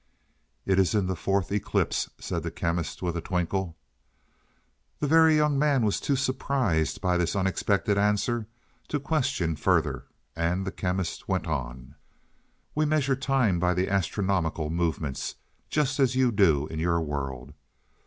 "It is in the fourth eclipse," said the Chemist with a twinkle. The Very Young Man was too surprised by this unexpected answer to question further, and the Chemist went on. "We measure time by the astronomical movements, just as you do in your world.